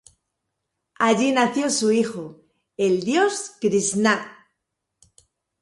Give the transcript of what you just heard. Allí nació su hijo, el dios Krisná.